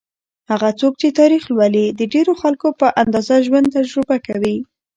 هغه څوک چې تاریخ لولي، د ډېرو خلکو په اندازه ژوند تجربه کوي.